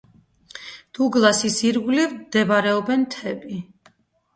დუგლასის ირგვლივ მდებარეობენ მთები.